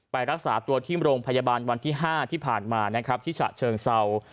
รักษาตัวที่โรงพยาบาลวันที่๕ที่ผ่านมานะครับที่ฉะเชิงเศร้า